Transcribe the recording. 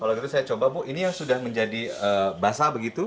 kalau gitu saya coba bu ini yang sudah menjadi basah begitu